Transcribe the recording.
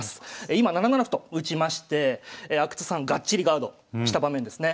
今７七歩と打ちまして阿久津さんがっちりガードした場面ですね。